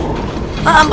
aku tidak bermaksud lancar